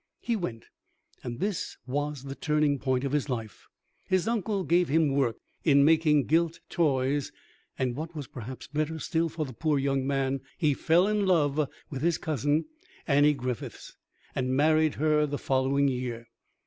He went, and this was the turning point of his life. His uncle gave him work in making gilt toys; and, what was perhaps better still for the poor young man, he fell in love with his cousin Annie Griffiths, and married her the following year.